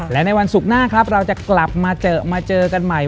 และในวันศุกร์หน้าเราจะกลับมาเจอกันใหม่